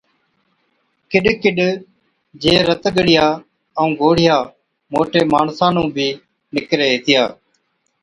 ڪِڏ ڪِڏ جي رت ڳڙِيا ائُون گوڙهِيا موٽي ماڻسا نُون بِي نِڪري هِتِيا